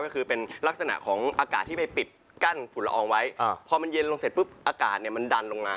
ก็คือเป็นลักษณะของอากาศที่ไปปิดกั้นฝุ่นละอองไว้พอมันเย็นลงเสร็จปุ๊บอากาศเนี่ยมันดันลงมา